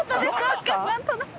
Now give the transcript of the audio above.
何となく。